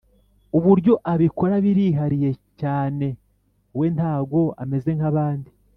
ubuuryo abikora birihariye cyane we ntago ameze nkabandi